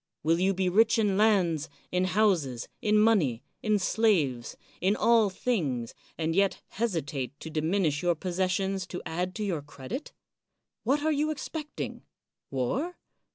Will you be rich in lands, in houses, in money, in slaves, in all things, and yet hesitate to diminish your possessions to add to your credit? What are you expecting? War?